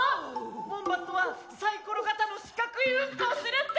ウォンバットはサイコロ形の四角いうんこをするって！